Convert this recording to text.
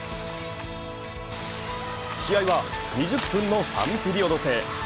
試合は２０分の３ピリオド制。